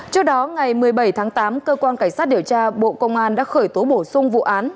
trước đó ngày một mươi bảy tháng tám cơ quan cảnh sát điều tra bộ công an đã khởi tố bổ sung vụ án